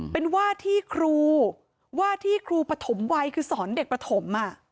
เป็นว่าที่ครูพะทมวัยคือศรเด็กพะทม